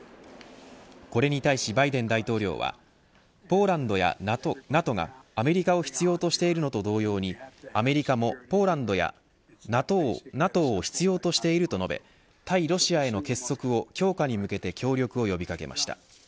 これに対し、バイデン大統領はポーランドやＮＡＴＯがアメリカを必要としているのと同様にアメリカもポーランドやＮＡＴＯを必要としていると述べ対ロシアへの結束を強化に向けて協力を呼び掛けました。